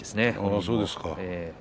そうですか。